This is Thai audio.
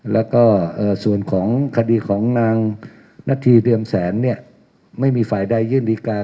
แล้วก็ส่วนของคดีของนางนัทรีเดียมแสนไม่มีฝ่ายได้ยื่นรีกา